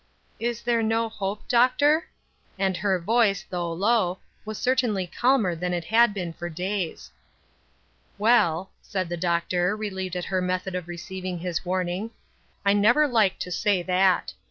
"Is there no hope, Doctor? "and her voice though low, was certainly calmer than it had been for days. "Well," said the Doctor, relieved at her method of receiving his warning, " I never like to say that.